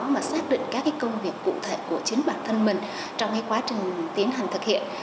mà xác định các công việc cụ thể của chính bản thân mình trong quá trình tiến hành thực hiện